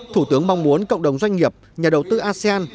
thủ tướng mong muốn cộng đồng doanh nghiệp nhà đầu tư asean